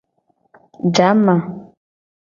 Jama.